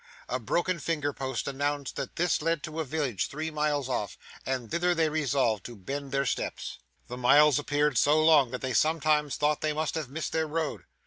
A broken finger post announced that this led to a village three miles off; and thither they resolved to bend their steps. The miles appeared so long that they sometimes thought they must have missed their road.